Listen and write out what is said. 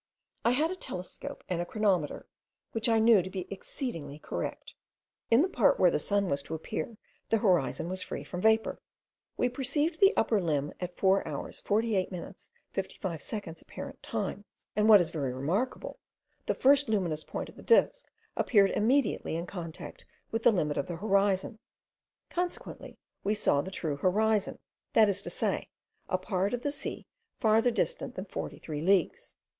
I had a telescope and a chronometer, which I knew to be exceedingly correct. In the part where the sun was to appear the horizon was free from vapour. We perceived the upper limb at 4 hours 48 minutes 55 seconds apparent time, and what is very remarkable, the first luminous point of the disk appeared immediately in contact with the limit of the horizon, consequently we saw the true horizon; that is to say, a part of the sea farther distant than 43 leagues.